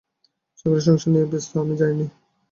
চাকরি এবং সংসার নিয়া তুমি ব্যস্ত আমি জানি।